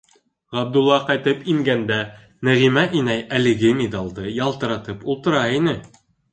Ғабдулла ҡайтып ингәндә, Нәғимә инәй әлеге миҙалды ялтыратып ултыра ине.